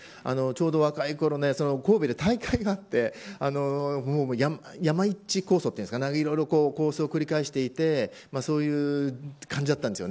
ちょうど若いころ神戸で大会があって山一抗争というんですかいろんな抗争を繰り返していてそういう感じだったんです。